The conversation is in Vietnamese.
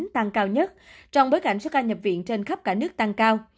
tăng cao nhất trong bối cảnh số ca nhập viện trên khắp cả nước tăng cao